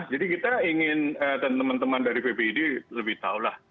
jadi kita ingin teman teman dari ppid lebih tahu